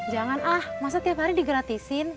jangan ah masa tiap hari digratisin